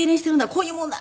こういうもんだ。